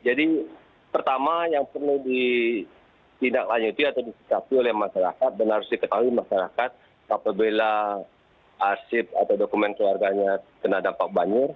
jadi pertama yang perlu ditindaklanjuti atau disikapi oleh masyarakat dan harus diketahui masyarakat apabila arsip atau dokumen keluarganya kena dampak banjir